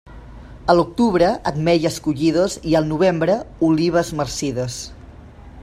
A l'octubre, ametlles collides, i al novembre, olives marcides.